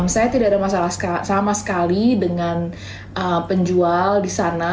saya tidak ada masalah sama sekali dengan penjual di sana